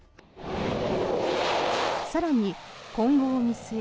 更に、今後を見据え